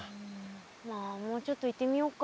まあもうちょっと行ってみようか。